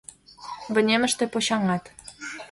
Вынемыште почаҥат.